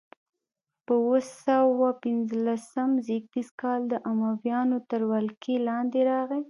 په اووه سوه پنځلسم زېږدیز کال د امویانو تر ولکې لاندې راغي.